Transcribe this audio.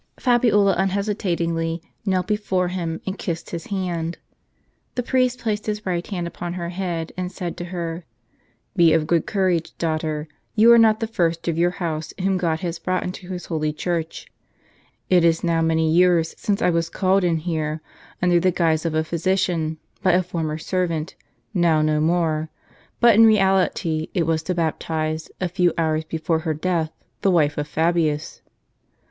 Fabiola unhesitatingly knelt before him, and kissed his hand. The priest placed his right hand upon her head, and said to her : "Be of good courage, daughter ; you are not the first of your house whom God has brought into His holy Church. It is now many years since I was called in here, under the guise of a physician, by a former servant, now no more; but in reality it was to baptize, a few hours before her death, the wife of Fabius."